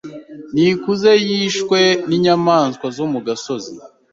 Nikuze yishwe ninyamaswa zo mu gasozi.